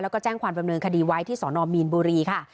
แล้วก็แจ้งความดำเนินคดีไว้ที่สนมีนบุรีค่ะ